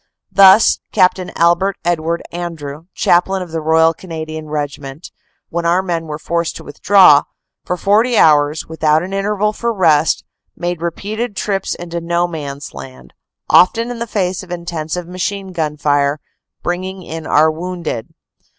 Thus, Capt. Albert Edward Andrew, chaplain of the Royal Canadian Regiment, when our men were forced to withdraw, for 40 hours, without an interval for rest, made repeated trips into No Man s Land, often in face of intensive machine gun fire, bringing in our wounded.